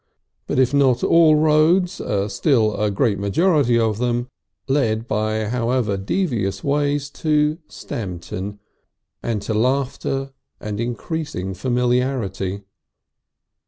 But if not all roads, still a great majority of them, led by however devious ways to Stamton, and to laughter and increasing familiarity.